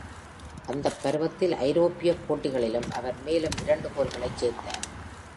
அந்த பருவத்தில் ஐரோப்பிய போட்டிகளில் அவர் மேலும் இரண்டு கோல்களைச் சேர்த்தார்.